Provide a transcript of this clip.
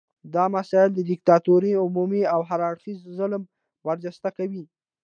دا مسایل د دیکتاتورۍ عمومي او هر اړخیز ظلم برجسته کوي.